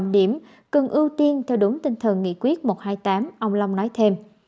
điểm cần ưu tiên theo đúng tinh thần nghị quyết một trăm hai mươi tám ông long nói thêm